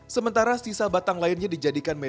sementara sisa batang lainnya dijadikan meja